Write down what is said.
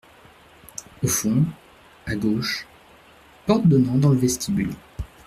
Au fond, à gauche, porte donnant dans le vestibule.